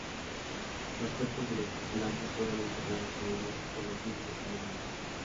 Los cuerpos de los tripulantes fueron enterrados con honores por los mismos alemanes.